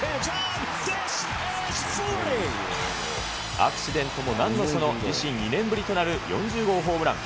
アクシデントもなんのその、自身２年ぶりとなる、４０号ホームラン。